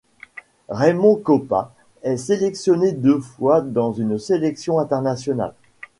Raymond Kopa est sélectionné deux fois dans une sélection internationale.